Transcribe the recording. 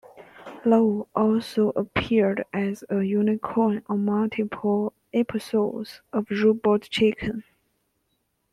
Lowe also appeared as a unicorn on multiple episodes of "Robot Chicken".